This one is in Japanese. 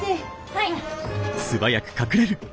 はい。